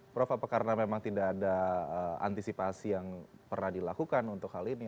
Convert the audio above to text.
prof apa karena memang tidak ada antisipasi yang pernah dilakukan untuk hal ini